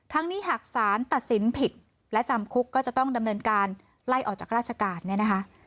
นี้หากสารตัดสินผิดและจำคุกก็จะต้องดำเนินการไล่ออกจากราชการเนี่ยนะคะ